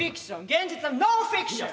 現実はノンフィクション。